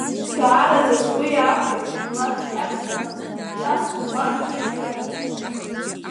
Даараӡа сгәы иахәеит шәмилаҭтә қьабзқәа, шәҵасқәа амч ахьрымоу.